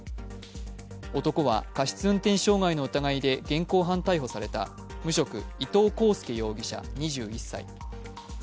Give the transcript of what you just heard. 男は過失運転傷害の疑いで現行犯逮捕された無職・伊東航介容疑者２１歳。